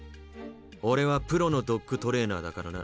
オレはプロのドッグトレーナーだからな。